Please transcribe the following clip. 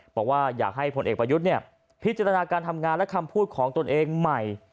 บอกว่าอยากให้พลเอกประยุทธ์พิจารณาการทำงานและคำพูดของตนเองใหม่